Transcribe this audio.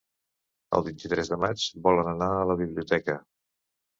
El vint-i-tres de maig volen anar a la biblioteca.